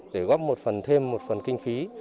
để góp một phần thêm một phần kinh phí